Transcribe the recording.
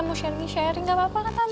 mau share sharing nggak apa apa tante